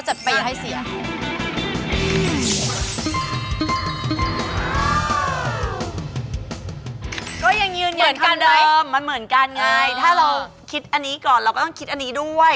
คิดอันนี้ก่อนเราก็ต้องคิดอันนี้ด้วย